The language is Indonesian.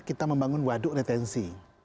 kita membangun waduk retensi